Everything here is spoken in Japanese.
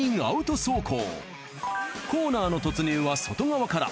コーナーの突入は外側から。